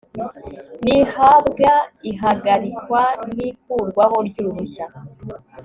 n ihabwa ihagarikwa n ikurwaho ry uruhushya